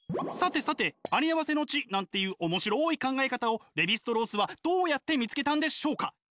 さてさてありあわせの知なんていう面白い考え方をレヴィ＝ストロースはどうやって見つけたんでしょうか？